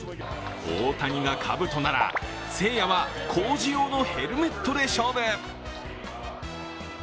大谷がかぶとなら誠也は工事用のヘルメットで勝負。